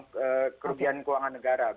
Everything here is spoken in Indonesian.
untuk kerugian keuangan negara